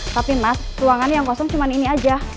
tapi mas ruangan yang kosong cuman ini aja